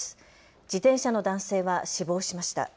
自転車の男性は死亡しました。